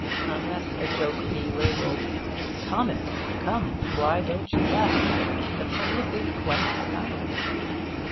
Unless a joke be labelled 'Comic. Come! why don't you laugh?' the public is quite silent.